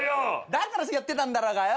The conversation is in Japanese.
だから言ってたんだろうがよ。